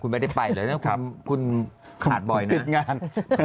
คุณไม่ได้ไปเลยคุณหยั่ดบ่อยนะคุณหยั่ดบ่อยนะคุณติดงาน